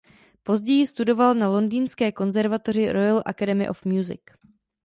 Později studoval na londýnské konzervatoři Royal Academy of Music.